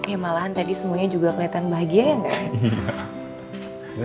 ya malahan tadi semuanya juga keliatan bahagia ya